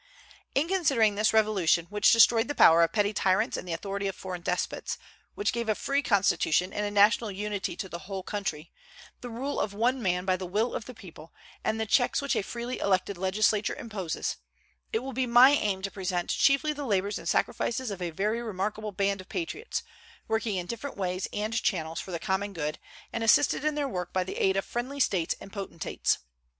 In considering this revolution, which destroyed the power of petty tyrants and the authority of foreign despots, which gave a free constitution and national unity to the whole country, the rule of one man by the will of the people, and the checks which a freely elected legislature imposes, it will be my aim to present chiefly the labors and sacrifices of a very remarkable band of patriots, working in different ways and channels for the common good, and assisted in their work by the aid of friendly States and potentates.